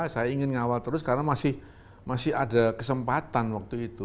saya ingin ngawal terus karena masih ada kesempatan waktu itu